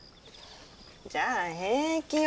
じゃあ平気よ。